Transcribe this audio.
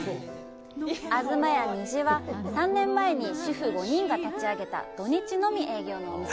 あづま屋・虹は、３年前に主婦５人が立ち上げた、土日のみ営業のお店。